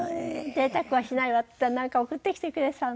ぜいたくはしないわって言ったらなんか送ってきてくださるの。